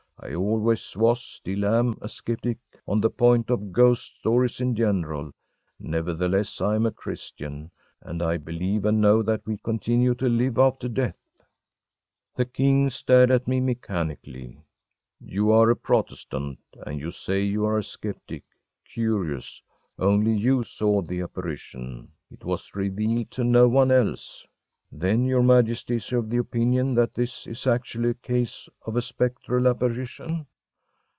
I always was, still am, a skeptic on the point of ghost stories in general, nevertheless I am a Christian, and I believe and know that we continue to live after death.‚ÄĚ The king stared at me mechanically: “You are a Protestant, and you say you are a skeptic. Curious only you saw the apparition it was revealed to no one else?‚ÄĚ “Then your Majesty is of the opinion that this is actually a case of a spectral apparition?